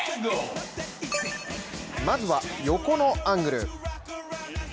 まずは、横のアングル。